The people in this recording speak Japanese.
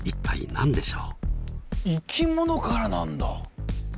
生き物からなんだ！